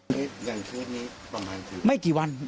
อย่างคืนนี้ประมาณกี่วัน